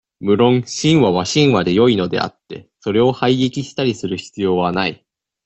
無論、神話は神話でよいのであって、それを排撃したりする必要はない。